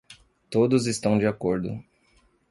Todos estão de acordo.